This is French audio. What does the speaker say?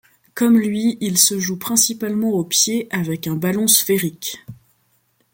Comme lui, il se joue principalement au pied avec un ballon sphérique.